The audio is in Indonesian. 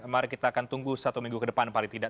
mari kita akan tunggu satu minggu ke depan paling tidak